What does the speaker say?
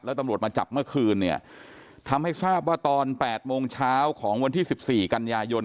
แล้วตำรวจมาจับเมื่อคืนเนี่ยทำให้ทราบว่าตอน๘โมงเช้าของวันที่๑๔กันยายน